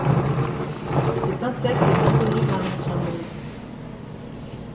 Cet insecte est inconnu dans l'Ancien Monde.